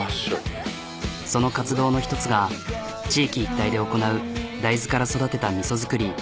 その活動の一つが地域一体で行なう大豆から育てたみそ造り。